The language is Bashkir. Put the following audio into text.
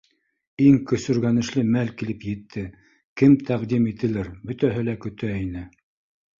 Иң көсөргәнешле мәл килеп етте: кем тәҡдим ителер? Бөтәһе лә көтә ине